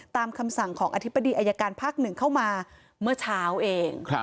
คำสั่งของอธิบดีอายการภาคหนึ่งเข้ามาเมื่อเช้าเอง